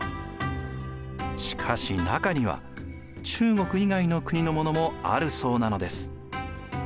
しかし中には中国以外の国のものもあるそうなのです。